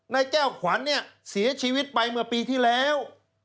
นายแก้วขวัญเนี่ยเสียชีวิตไปเมื่อปีที่แล้ว